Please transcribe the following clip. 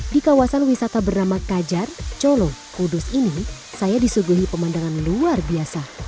di kawasan wisata bernama kajar colo kudus ini saya disuguhi pemandangan luar biasa